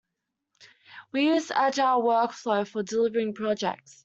We use an agile work-flow for delivering projects.